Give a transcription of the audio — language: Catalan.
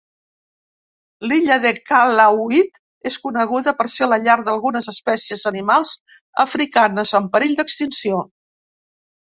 L'illa de Calauit és coneguda per ser la llar d'algunes espècies animals africanes en perill d'extinció.